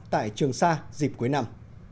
tại trường sa dịp cuối năm